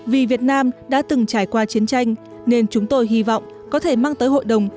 vì việt nam đã từng trải qua chiến tranh nên chúng tôi hy vọng có thể mang tới hội đồng